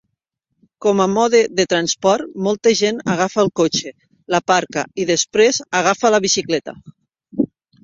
Com a mode de transport, molta gent agafa el cotxe, l'aparca i, després, agafa la bicicleta.